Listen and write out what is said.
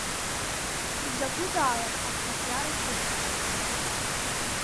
Изакәызаалак ак ҳабжьара ихәыцӡам.